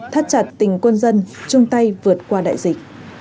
thắt chặt tình quân dân chung tay vượt qua đại dịch